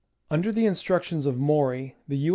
Under the instructions of Maury the U.